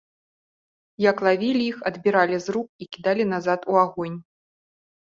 Як лавілі іх, адбіралі з рук і кідалі назад у агонь.